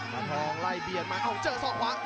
ละทองไล่เบียดมาเอ้าเจอศอกขวา